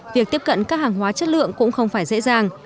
việc tiếp cận các hàng hóa chất lượng cũng không phải dễ dàng